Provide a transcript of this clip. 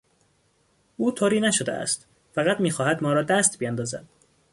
او طوری نشده است، فقط میخواهد ما را دست بیاندازد.